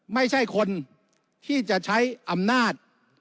ไม่ใช่คนที่จะใช้อำนาจ